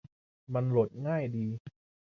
มันโหลดง่ายดี